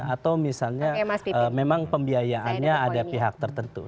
atau misalnya memang pembiayaannya ada pihak tertentu